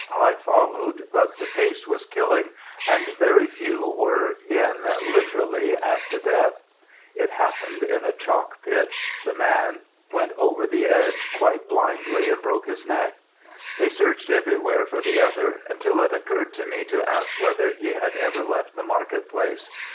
I followed; but the pace was killing, and very few were in, literally, at the death. It happened in a chalk pit: the man went over the edge quite blindly and broke his neck. They searched everywhere for the other, until it occurred to me to ask whether he had ever left the market place.